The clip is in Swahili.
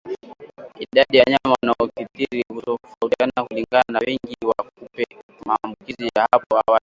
Idadi ya wanyama wanaoathirika hutofautiana kulingana na wingi wa kupe maambukizi ya hapo awali